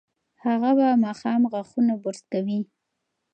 هغه به ماښام غاښونه برس کوي.